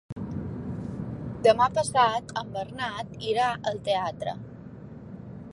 Demà passat en Bernat irà al teatre.